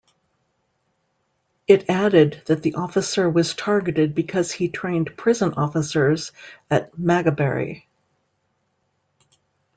It added that the officer was targeted because he trained prison officers at Maghaberry.